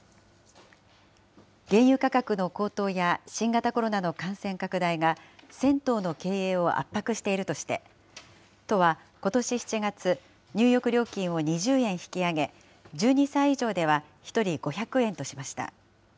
原油価格の高騰や、新型コロナの感染拡大が銭湯の経営を圧迫しているとして、都はことし７月、入浴料金を２０円引き上げ、１２歳以上では１人５００円としました。